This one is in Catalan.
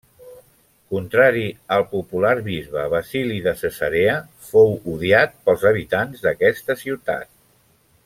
Contrari al popular bisbe Basili de Cesarea, fou odiat pels habitants d'aquesta ciutat.